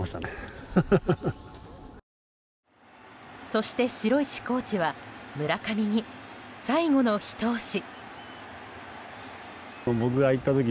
そして、城石コーチは村上に最後のひと押し。